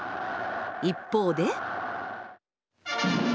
一方で。